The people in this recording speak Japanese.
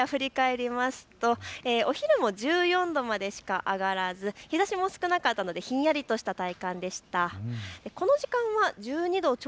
日中の最高気温、熊谷を振り返るとお昼も１４度までしか上がらず日ざしも少なかったのでひんやりとした体感でした。